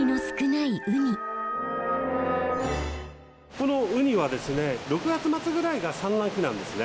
このウニはですね６月末ぐらいが産卵期なんですね。